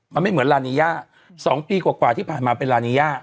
มันไม่เหมือนลานีย่า๒ปีกว่าที่ผ่านมาเป็นลานีย่า